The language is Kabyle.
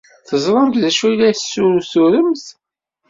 Teẓramt d acu ay la tessuturemt?